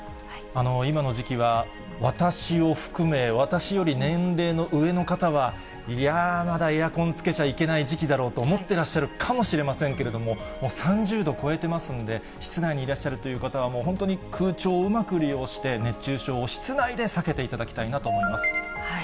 今の時期は、私を含め、私より年齢の上の方は、いや、まだエアコンつけちゃいけない時期だろうと思ってらっしゃるかもしれませんけれども、もう３０度超えてますんで、室内にいらっしゃるという方は、本当に空調をうまく利用して、熱中症を室内で避けていただきたいなと思います。